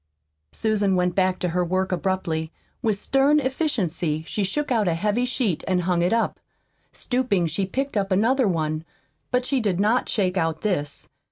Susan went back to her work abruptly. With stern efficiency she shook out a heavy sheet and hung it up. Stooping, she picked up another one. But she did not shake out this.